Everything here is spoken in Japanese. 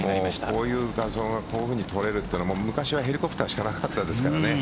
こういう画像がこういうふうに撮れるのって昔はヘリコプターしかなかったですからね。